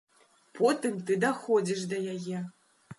Потым ты даходзіш да яе.